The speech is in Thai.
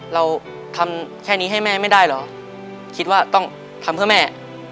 เราทำแค่นี้ให้แม่ไม่ได้เหรอคิดว่าต้องทำเพื่อแม่